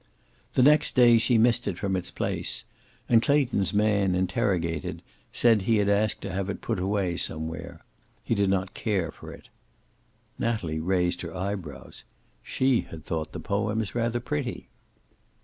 The next day she missed it from its place, and Clayton's man, interrogated, said he had asked to have it put away somewhere. He did not care for it. Natalie raised her eyebrows. She had thought the poems rather pretty.